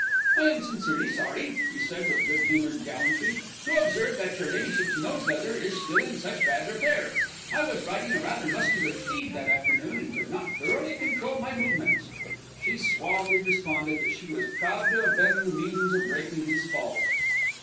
"I am sincerely sorry," he said with good humoured gallantry, "to observe that your ladyship's nose leather is still in such bad repair. I was riding a rather muscular steed that afternoon, and could not thoroughly control my movements." She suavely responded that she was proud to have been the means of breaking his fall.